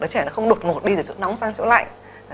đứa trẻ nó không đột ngột đi thì chỗ nóng sang chỗ lạnh